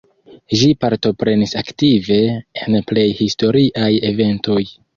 Ĝi partoprenis aktive en plej historiaj eventoj.